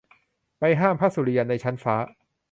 ไปห้ามพระสุริยันในชั้นฟ้า